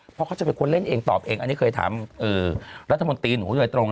เพราะเขาจะเป็นคนเล่นเองตอบเองอันนี้เคยถามรัฐมนตรีหนูโดยตรง